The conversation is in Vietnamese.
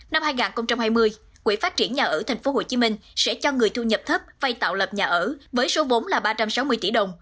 năm hai nghìn hai mươi quỹ phát triển nhà ở tp hcm sẽ cho người thu nhập thấp vay tạo lập nhà ở với số vốn là ba trăm sáu mươi tỷ đồng